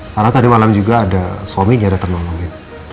karena tadi malam juga ada suaminya yang ada ternolongnya